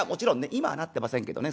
今はなってませんけどね